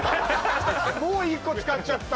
もう１個使っちゃった。